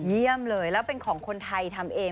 เยี่ยมเลยแล้วเป็นของคนไทยทำเอง